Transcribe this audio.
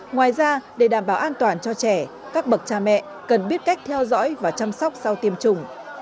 ngoài ra để đảm bảo an toàn cho trẻ các bậc cha mẹ cần biết cách theo dõi và chăm sóc sau tiêm chủng